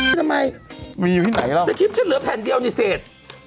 ทำไมมีอยู่ที่ไหนล่ะสคริปฉันเหลือแผ่นเดียวในเศษ